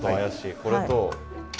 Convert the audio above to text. これと。